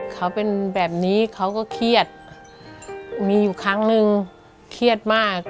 เขาเป็นแบบนี้เขาก็เครียดมีอยู่ครั้งนึงเครียดมาก